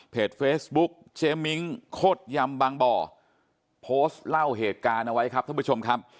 เฟซบุ๊กเจมิ้งโคตรยำบางบ่อโพสต์เล่าเหตุการณ์เอาไว้ครับท่านผู้ชมครับ